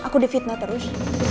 aku difitnah terus